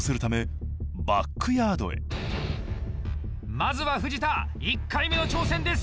まずは藤田１回目の挑戦です。